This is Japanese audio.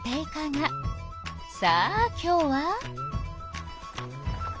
さあ今日は。